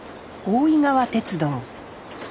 大井川鉄道。